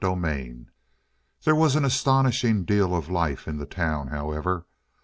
CHAPTER 20 There was an astonishing deal of life in the town, however.